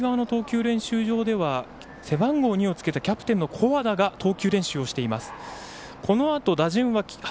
そして、一塁側の投球練習場では背番号２をつけたキャプテンの古和田が投球練習をしています。